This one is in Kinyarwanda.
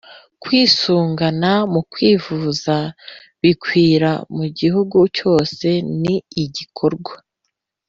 Kwisungana mu kwivuza bikwira mu gihugu cyose ni igikorwa